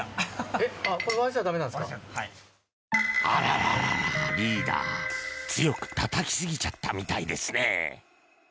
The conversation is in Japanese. あらら、リーダー強くたたきすぎちゃったみたいですね。